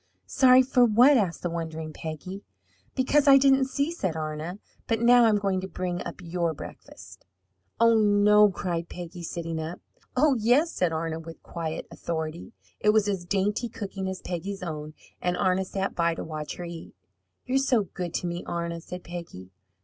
"Sorry for what?" asked the wondering Peggy. "Because I didn't see," said Arna. "But now I'm going to bring up your breakfast." "Oh, no!" cried Peggy, sitting up. "Oh, yes!" said Arna, with quiet authority. It was as dainty cooking as Peggy's own, and Arna sat by to watch her eat. "You're so good to me, Arna!" said Peggy.